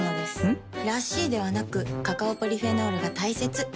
ん？らしいではなくカカオポリフェノールが大切なんです。